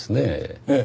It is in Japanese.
ええ。